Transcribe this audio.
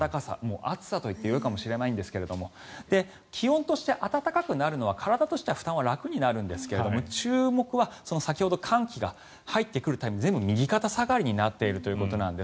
暑さといっていいかもしれないんですが気温として暖かくなるのは体としては負担は楽になるんですが注目は先ほど寒気が入ってくるタイミングで全部右肩下がりになっているということです。